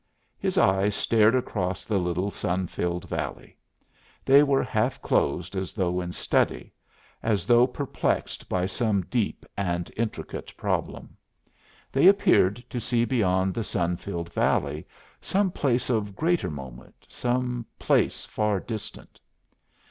His eyes stared across the little sun filled valley. They were half closed as though in study, as though perplexed by some deep and intricate problem. They appeared to see beyond the sun filled valley some place of greater moment, some place far distant.